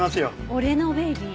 俺のベイビー？